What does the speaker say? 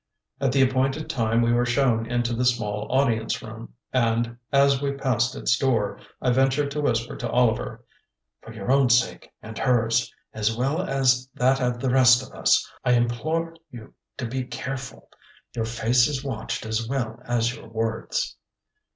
At the appointed time we were shown into the small audience room, and, as we passed its door, I ventured to whisper to Oliver: "For your own sake and hers, as well as that of the rest of us, I implore you to be careful. Your face is watched as well as your words."